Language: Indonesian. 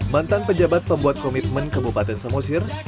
mantan pejabat pembuat komitmen kabupaten samosir